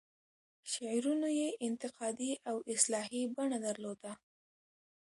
شعرونو یې انتقادي او اصلاحي بڼه درلوده.